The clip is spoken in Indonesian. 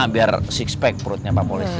biar sixpack perutnya pak polisi